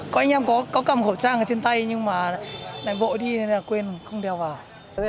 coi anh em có cầm khẩu trang ở trên tay nhưng mà lại vội đi nên là quên không đeo vào